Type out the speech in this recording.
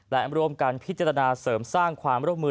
และร่วมกันพิจารณาเสริมสร้างความร่วมมือ